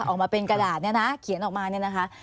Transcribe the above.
ออกมาเป็นกระดาษเนี่ยนะเขียนออกมาเนี่ยนะคะ